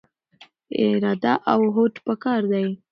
اراده او هوډ پکار دی.